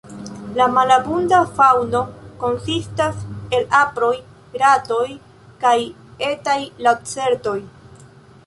La malabunda faŭno konsistas el aproj, ratoj kaj etaj lacertoj.